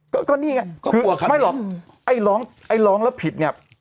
ก็ก็นี่ไงไม่รอบไอ้ล้องไอ้ล้องแล้วผิดเนี่ย